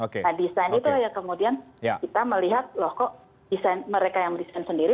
nah desain itu ya kemudian kita melihat loh kok mereka yang desain sendiri